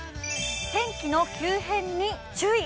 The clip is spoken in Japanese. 天気の急変に注意。